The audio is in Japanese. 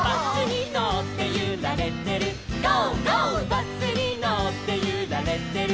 「バスにのってゆられてる」